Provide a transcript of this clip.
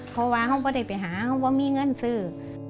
เพราะว่าเขาก็ได้ไปหาเขาว่ามีเงินซื้อ